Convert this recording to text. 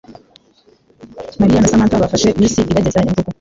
Mariya na Samantha bafashe bisi ibageza nyabugogo